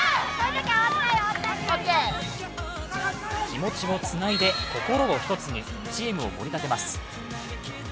気持ちをつないで心を一つに、チームをもり立てます。